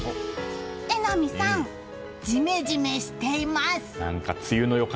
榎並さん、ジメジメしています。